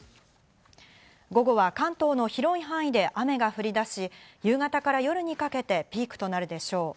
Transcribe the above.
午後は関東の広い範囲で雨が降り出し、夕方から夜にかけてピークとなるでしょう。